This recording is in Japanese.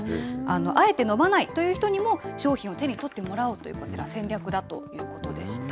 あえて飲まないという人にも、商品を手に取ってもらおうという、こちら、戦略だということでした。